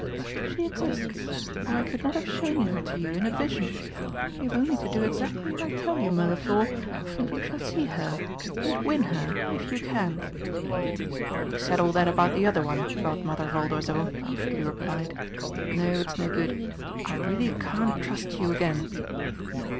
"She exists, or I could not have shown her to you in a vision. You have only to do exactly as I tell you, Mirliflor, and you shall see her, and win her, if you can." "You said all that about the other one, Godmother Voldoiseau," he replied. "No, it's no good. I really can't trust you again."